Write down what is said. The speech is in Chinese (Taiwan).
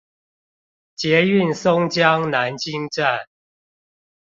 捷運松江南京站